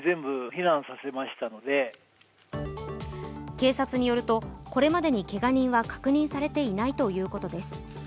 警察によるとこれまでにけが人は確認されていないということです。